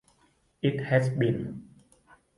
It has been.